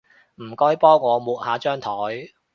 唔該幫我抹下張枱